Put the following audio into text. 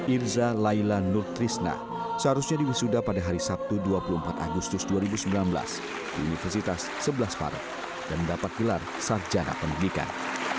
irza laila nur trisna seharusnya diwisuda pada hari sabtu dua puluh empat agustus dua ribu sembilan belas di universitas sebelas maret dan mendapat gelar sarjana pendidikan